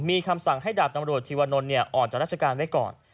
มีคำสั่งให้ดาบตำรวจธีวนลออกจากราชการไว้ก่อน